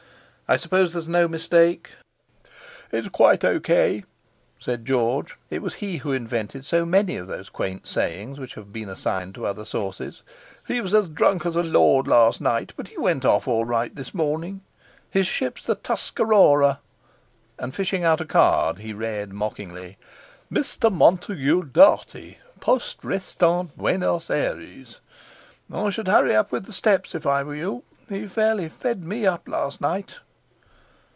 I suppose there's no mistake?" "It's quite O.K.," said George—it was he who invented so many of those quaint sayings which have been assigned to other sources. "He was drunk as a lord last night; but he went off all right this morning. His ship's the Tuscarora;" and, fishing out a card, he read mockingly: "'Mr. Montague Dartie, Poste Restante, Buenos Aires.' I should hurry up with the steps, if I were you. He fairly fed me up last night."